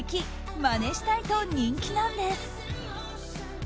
まねしたい！と人気なんです。